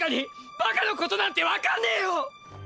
馬鹿のことなんてわかんねぇよ！！